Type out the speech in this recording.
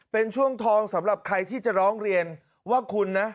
เป็นช่วงทองสำหรับใครที่จะร้องเรียนว่าคุณนะ